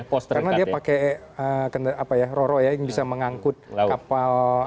karena dia pakai apa ya roro ya yang bisa mengangkut kapal